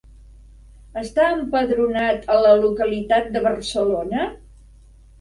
Està empadronat a la localitat de Barcelona?